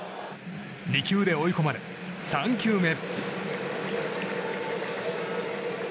２球で追い込まれ、３球目。